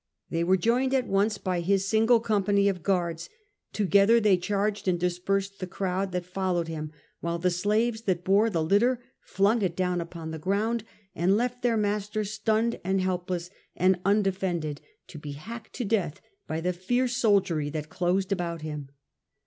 They were joined at once by his single company of guards ; together they charged and dispersed the crowd that followed him, while the slaves that bore the litter flung it down upon the ground and left their master stunned and helpless and un defended, to be hacked to death by the fierce but while on soldiery that closed about him.